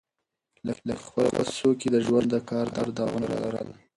لښتې په خپلو لاسو کې د ژوند د کار داغونه لرل.